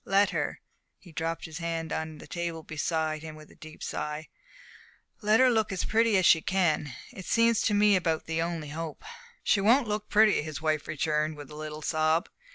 Let her" he dropped his hand on the table beside him with a deep sigh "let her look as pretty as she can. It seems to me about the only hope." "She won't look pretty," his wife returned, with a little sob.